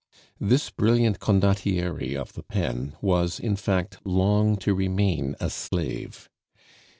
This brilliant condottiere of the pen was, in fact, long to remain a slave.